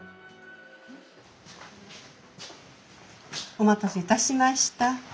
お待たせいたしました。